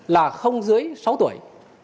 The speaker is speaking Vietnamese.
là không dưới sáu tuổi